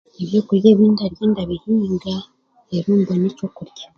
Ebyokurya ebi ndarya ndabihinga, reero mbone ekyokurya.